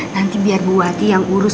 nanti biar bu ati yang urus